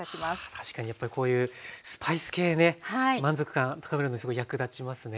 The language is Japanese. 確かにやっぱりこういうスパイス系ね満足感高めるのにすごい役立ちますね。